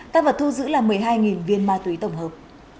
tăng vật thu giữ là một mươi hai viên ma túy tổng hợp